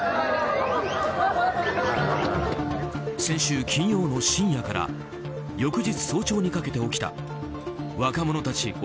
先週金曜の深夜から翌日早朝にかけて起きた若者たち